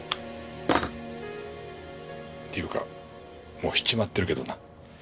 っていうかもうしちまってるけどな。